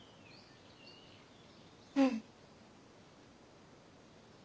うん。